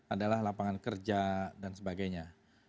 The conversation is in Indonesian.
adalah lapangan kerja dan sebagainya